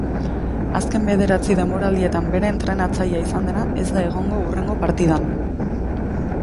Azken bederatzi denboraldietan bere entrenatzailea izan dena ez da egongo hurrengo partidan.